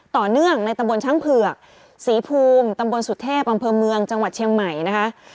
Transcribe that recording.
ต่อเนื่องในตำบลช้างเผือกศรีภูมิตำบลสุเทพอำเภอเมืองจังหวัดเชียงใหม่นะคะ